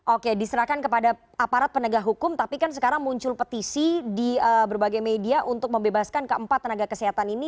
oke diserahkan kepada aparat penegak hukum tapi kan sekarang muncul petisi di berbagai media untuk membebaskan keempat tenaga kesehatan ini